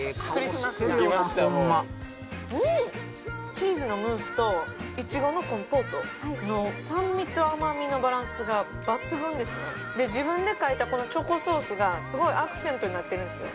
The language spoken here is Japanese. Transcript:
チーズのムースといちごのコンポートの酸味と甘みのバランスが抜群ですねで自分で描いたこのチョコソースがすごいアクセントになってるんですよ